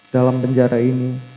dalam penjara ini